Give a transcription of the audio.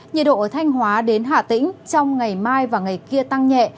nhiệt độ ở thanh hóa đến hà tĩnh trong ngày mai và ngày kia tăng nhẹ